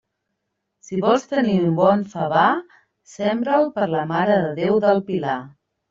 Si vols tenir un bon favar, sembra'l per la Mare de Déu del Pilar.